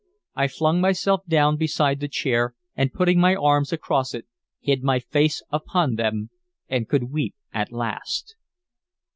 I flung myself down beside the chair, and, putting my arms across it, hid my face upon them, and could weep at last.